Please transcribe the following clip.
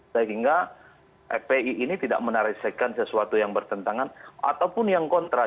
sehingga fpi ini tidak menarasikan sesuatu yang bertentangan ataupun yang kontra